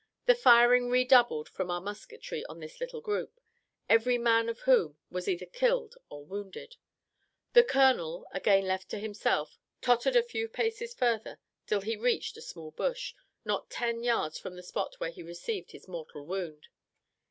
The firing redoubled from our musketry on this little group, every man of whom was either killed or wounded. The colonel, again left to himself, tottered a few paces further, till he reached a small bush, not ten yards from the spot where he received his mortal wound.